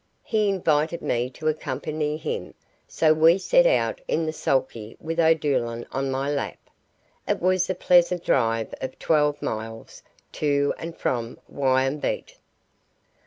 He invited me to accompany him, so we set out in the sulky with O'Doolan on my lap. It was a pleasant drive of twelve miles to and from Wyambeet.